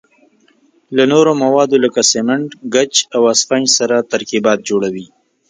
له نورو موادو لکه سمنټ، ګچ او اسفنج سره ترکیبات جوړوي.